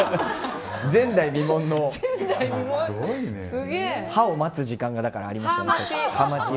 前代未聞の歯を待つ時間がありました。